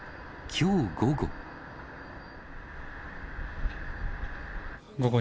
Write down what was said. きょう午後。